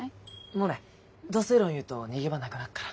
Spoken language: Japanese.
モネド正論言うと逃げ場なくなっから。